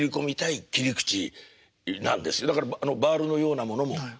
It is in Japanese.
だから「バールのようなもの」もそうです。